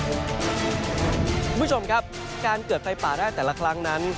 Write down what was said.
คุณผู้ชมครับการเกิดไฟป่าได้แต่ละครั้งนั้น